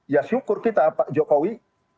ya syukur kita pak jokowi